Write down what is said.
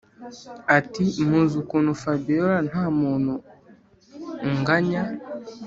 ati”muzi ukuntu fabiora ntamuntu unganya